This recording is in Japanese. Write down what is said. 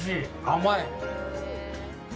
甘い。